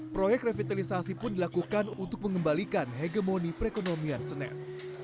proyek revitalisasi pun dilakukan untuk mengembalikan hegemoni perekonomian senen